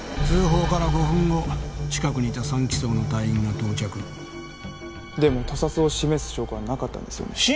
通報から５分後近くにいた３機捜の隊員が到着でも他殺を示す証拠はなかったんですよね？